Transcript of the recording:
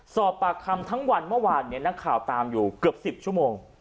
สอบปากคำทั้งวันเมื่อวานนักข่าวตามอยู่เกือบ๑๐ชั่วโมง